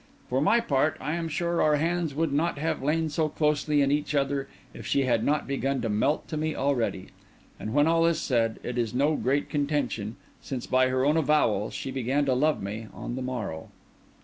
For my part, I am sure our hands would not have lain so closely in each other if she had not begun to melt to me already. And, when all is said, it is no great contention, since, by her own avowal, she began to love me on the morrow.